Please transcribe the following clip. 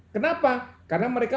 kenapa karena mereka